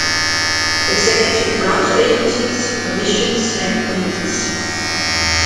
Executive Branch Agencies, Commissions, and Committees